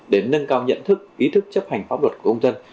để nâng cao nhận thức ý thức chấp hành pháp luật của công dân